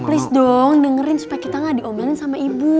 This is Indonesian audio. please dong dengerin supaya kita nggak diomelin sama ibu